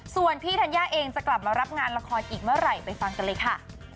ส่วนพี่ธัญญาเองจะกลับมารับงานละครอีกเมื่อไหร่ไปฟังกันเลยค่ะ